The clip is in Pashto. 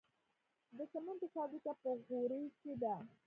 د سمنټو فابریکه په غوري کې ده